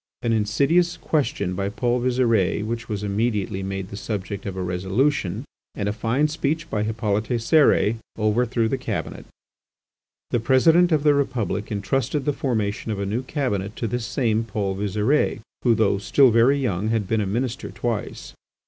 An insidious question by Paul Visire which was immediately made the subject of a resolution, and a fine speech by Hippolyte Cérès, overthrew the Cabinet. The President of the Republic entrusted the formation of a new Cabinet to this same Paul Visire, who, though still very young, had been a Minister twice.